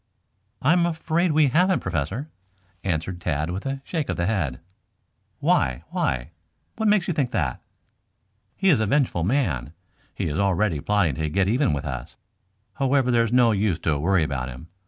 "I am afraid we haven't, Professor," answered Tad, with a shake of the head. "Why why, what makes you think that?" "He is a vengeful man. He is already plotting to get even with us. However, there's no use to worry about him.